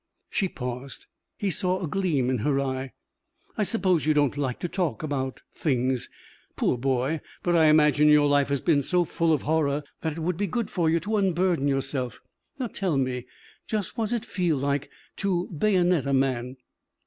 She paused. He saw a gleam in her eye. "I suppose you don't like to talk about things. Poor boy! But I imagine your life has been so full of horror that it would be good for you to unburden yourself. Now tell me, just what does it feel like to bayonet a man?"